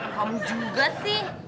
kamu juga sih